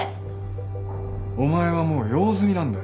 お前はもう用済みなんだよ。